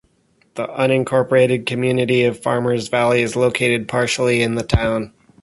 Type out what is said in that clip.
The unincorporated community of Farmers Valley is located partially in the town.